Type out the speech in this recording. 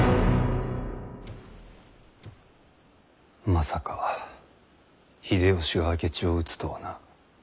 まさか秀吉が明智を討つとはな。